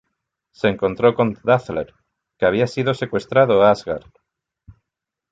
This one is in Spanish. Se encontró con Dazzler, que había sido secuestrado a Asgard.